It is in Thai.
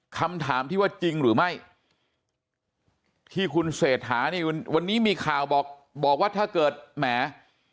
คำถามที่ว่าจริงหรือไม่ที่คุณเศรษฐานี่วันนี้มีข่าวบอกบอกว่าถ้าเกิดแหม